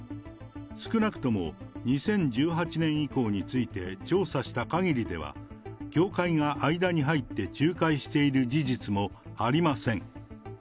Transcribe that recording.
少なくとも２０１８年以降について調査したかぎりでは、教会が間に入って仲介している事実もありません。